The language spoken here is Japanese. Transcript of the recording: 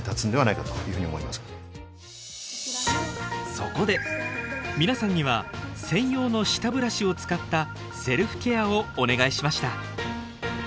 そこで皆さんには専用の舌ブラシを使ったセルフケアをお願いしました。